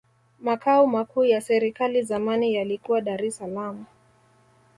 makao makuu ya serikali zamani yalikuwa dar es salaam